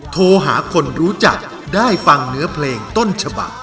โทรหาคนรู้จักได้ฟังเนื้อเพลงต้นฉบัก